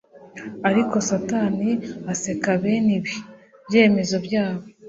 Ariko Satani aseka bene ibi byemezo byabo